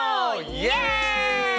イエイ！